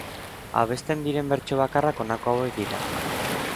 Abesten diren bertso bakarrak honako hauek dira.